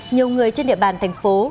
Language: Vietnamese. nhiều người trên địa bàn thành phố